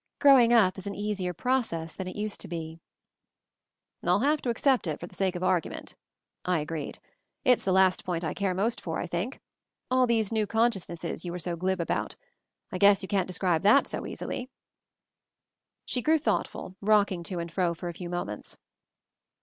' Growing up' is an easier process than it used to be." MOVING THE MOUNTAIN 199 "FU have to accept it for the sake of argu ment," I agreed. "It's the last point I care most for, I think. All these new conscious nesses you were so glib about. I guess you can't describe that so easily." She grew thoughtful, rocking to and fro for a few moments.